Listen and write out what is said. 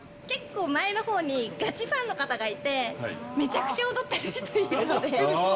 結構、前のほうに、ガチファンの方がいて、めちゃくちゃ踊ってるので。